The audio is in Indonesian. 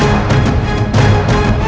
aku sudah berhenti